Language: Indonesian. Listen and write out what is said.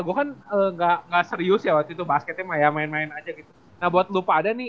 gua kan enggak serius ya waktu itu basketnya ya main main aja gitu nah buat lu pada nih